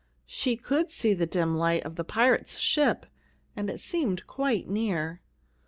She could see the dim light of the pirate's ship, and it seemed quite near.